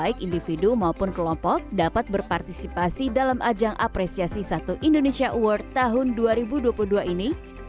baik individu maupun kelompok dapat berpartisipasi dalam ajang apresiasi satu indonesia award tahun dua ribu dua puluh dua ini